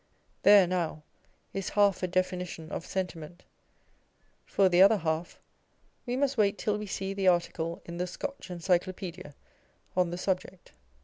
There, now, is half a definition of Sentiment :. for the other half we must wait till we sec the article in the Scotch Encyclopedia on the subject.